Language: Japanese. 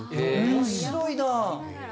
面白いな！